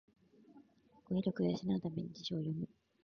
語彙力を養うために辞書を読む